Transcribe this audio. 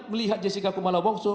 melihat jessica kumala wongso